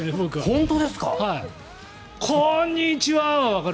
本当ですか？